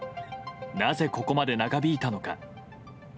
なぜここまで長引いたのか。